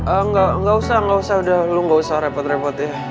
engga engga usah udah lo gak usah repot repot ya